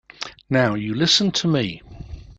Now you listen to me.